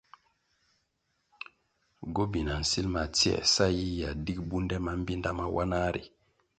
Gobina nsilʼ ma tsioē sa yiyia dig bundè mambpinda mawanah ri.